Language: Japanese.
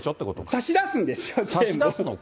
差し出すんですよ。